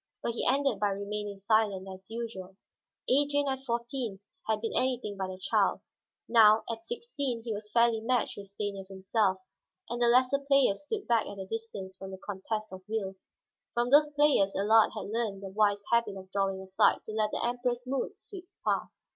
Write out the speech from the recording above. But he ended by remaining silent, as usual. Adrian at fourteen had been anything but a child; now, at sixteen, he was fairly matched with Stanief himself, and the lesser players stood back at a distance from the contest of wills. From those players Allard had learned the wise habit of drawing aside to let the Emperor's moods sweep past.